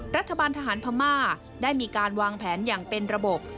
รัฐบาลทหารพม่าได้มีการวางแผนอย่างเป็นระบบ